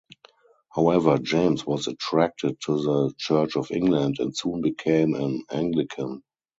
However James was attracted to the Church of England and soon became an Anglican.